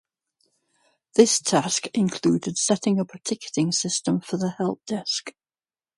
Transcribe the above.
This task included setting up a ticketing system for the help desk.